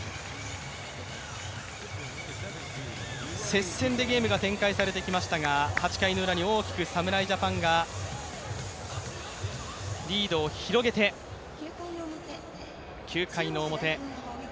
接戦でゲームが展開されてきましたが８回ウラに大きく侍ジャパンがリードを広げて９回の表。